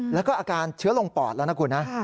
แล้วก็อาการเชื้อลงปอดแล้วนะคุณนะ